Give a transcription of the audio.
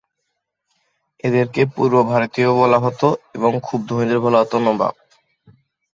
এদেরকে ‘পূর্ব ভারতীয়’ও বলা হতো এবং খুব ধনীদের বলা হতো ‘নবাব’।